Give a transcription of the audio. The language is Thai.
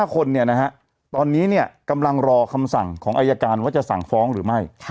๕คนเนี่ยนะฮะตอนนี้เนี่ยกำลังรอคำสั่งของอายการว่าจะสั่งฟ้องหรือไม่